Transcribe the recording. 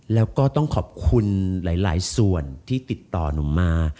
แล้วก็ต้องขอบคุณหลายส่วนที่ติดต่อหนุ่มมา